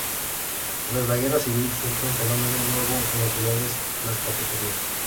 Tras la Guerra Civil surge un fenómeno nuevo en las ciudades: las cafeterías.